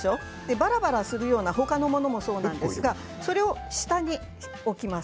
ばらばらするような他のものもそうなんですがそれを下に置きます。